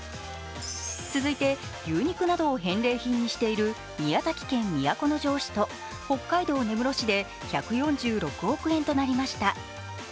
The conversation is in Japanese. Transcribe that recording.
続いて、牛肉などを返礼品にしている宮崎県都城市と北海道根室市で１４６億円となりました。